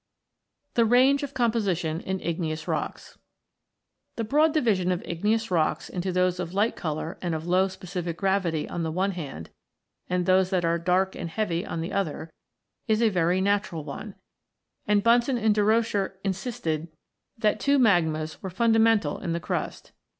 THE RANGE OF COMPOSITION IN IGNEOUS ROCKS The broad division of igneous rocks into those of light colour and of low specific gravity on the one hand and those that are dark and heavy on the other is a very natural one, and Bunsen and Durocher insisted that two magmas were fundamental in the crust.